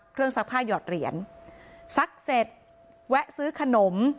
ซักผ้าหยอดเหรียญซักเสร็จแวะซื้อขนม